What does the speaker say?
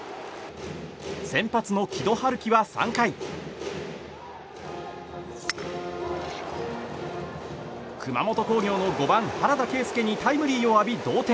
先発の城戸悠希は３回熊本工業の５番、原田啓佑にタイムリーを浴び、同点。